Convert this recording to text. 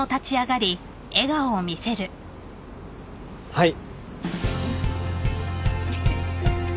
はい。